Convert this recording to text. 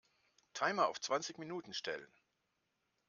Timer auf zwanzig Minuten stellen.